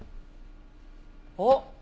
あっ！